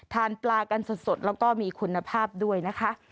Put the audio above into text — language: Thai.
ทานปลากันสดแล้วก็มีคุณภาพด้วยนะคะ